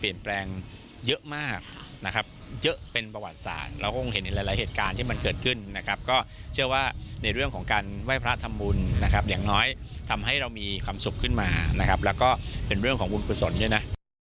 อย่างน้อยทำให้เรามีความสุขขึ้นมานะครับแล้วก็เป็นเรื่องของวุลกุศลด้วยน่ะ